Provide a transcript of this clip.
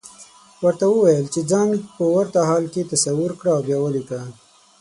ورته وويل چې ځان په ورته حال کې تصور کړه او بيا وليکه.